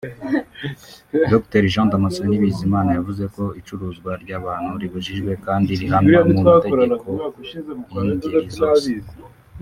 Dr Jean Damasacene Bizimana yavuze ko icuruzwa ry’abantu ribujijwe kandi rihanwa mu matageklo y’ingeri zose